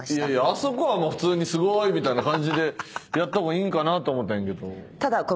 あそこはすごいみたいな感じでやった方がいいんかなと思ったんやけど。